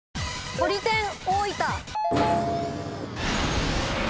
とり天大分。